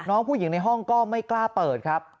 น้องผู้หญิงในห้องก็ไม่กล้าเปิดครับ